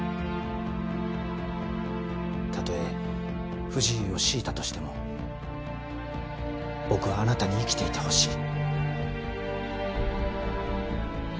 たとえ不自由を強いたとしても僕はあなたに生きていてほしい。